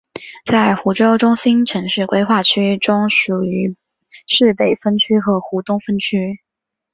在湖州中心城市规划区中属于市北分区和湖东分区。